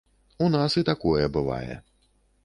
У нас і такое бывае.